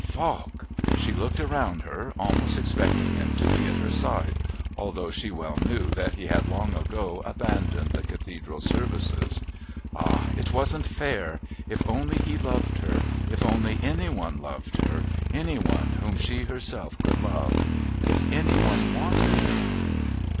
Falk! She looked around her, almost expecting him to be at her side, although she well knew that he had long ago abandoned the Cathedral services. Ah, it wasn't fair! If only he loved her, if only any one loved her, any one whom she herself could love. If any one wanted her!